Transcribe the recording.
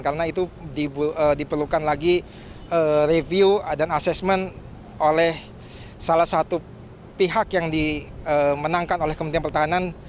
karena itu diperlukan lagi review dan assessment oleh salah satu pihak yang dimenangkan oleh kementerian pertahanan